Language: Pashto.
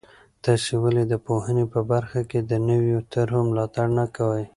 تاسې ولې د پوهنې په برخه کې د نویو طرحو ملاتړ نه کوئ؟